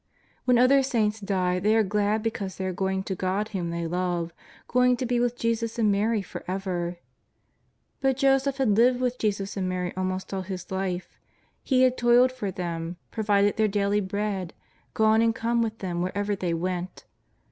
When other saints die they are glad because they are going to God whom they love, goin^ to be with Jesus and Mary for ever. But Joseph had lived with Jesus and Mary almost all his life. He had toiled for them, provided their daily bread, gone and come with them wherever they went.